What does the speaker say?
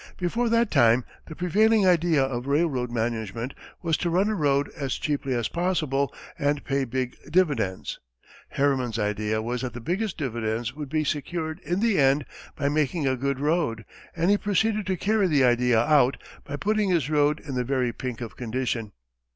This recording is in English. Before that time, the prevailing idea of railroad management was to run a road as cheaply as possible and pay big dividends. Harriman's idea was that the biggest dividends would be secured in the end by making a good road, and he proceeded to carry the idea out by putting his road in the very pink of condition.